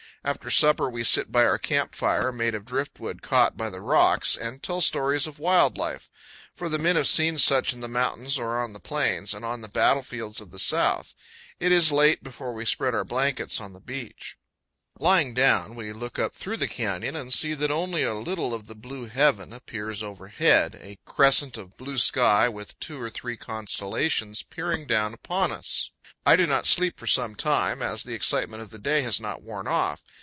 After supper we sit by our camp fire, made of driftwood caught by the rocks, and tell stories of wild life; for the men have seen such in the mountains or on the plains, and on the battlefields of the South. It is late before we spread our blankets on the beach. Lying down, we look up through the canyon and see that only a little of the blue heaven appears overhead a crescent of blue sky, with two or three constellations peering down upon us. I do not sleep for some time, as the excitement of the day has not worn off.